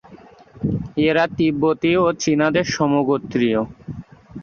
এরা তিব্বতি ও চীনাদের সমগোত্রীয়।